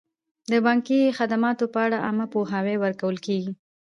د بانکي خدماتو په اړه عامه پوهاوی ورکول کیږي.